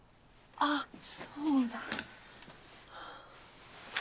あっそうだ。